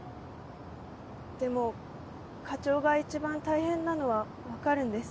でも課長が一番大変なのは分かるんです。